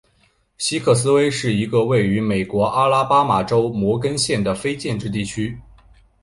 西克斯威是一个位于美国阿拉巴马州摩根县的非建制地区。